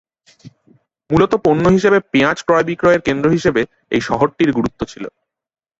মূলত পণ্য হিসেবে পেঁয়াজ ক্রয়-বিক্রয়ের কেন্দ্র হিসেবে এই শহরটির গুরুত্ব ছিল।